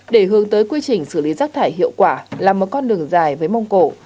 để hướng tới quy trình xử lý rác thải hiệu quả là một con đường dài với mông cổ